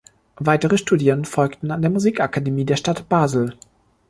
Weitere Studien folgten an der Musik-Akademie der Stadt Basel.